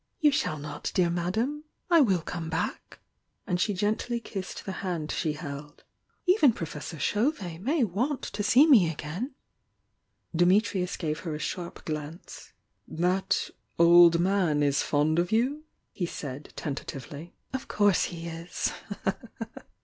"You AaR not, dear Madame ! I will come back." And Ae gently kissed the hand she held. "Even Profearar Chauvet may want to see me again!" IMmitriufl gave her a sharp glance. "That oU man is fond of you?" he said, tenta tivftlv. "Of course he is!"